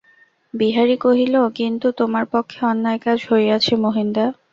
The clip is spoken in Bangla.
বিহারী কহিল, কিন্তু তোমার পক্ষে অন্যায় কাজ হইয়াছে মহিনদা।